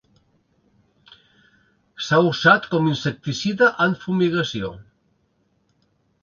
S'ha usat com insecticida en fumigació.